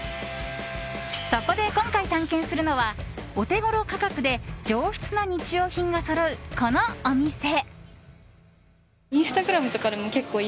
そこで今回、探検するのはオテゴロ価格で上質な日用品がそろう、このお店。